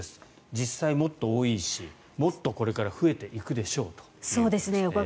実際、もっと多いしもっとこれから増えていくでしょうということですね。